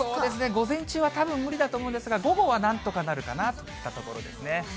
午前中はたぶん無理だと思うんですが、午後はなんとかなるかなといったところですね。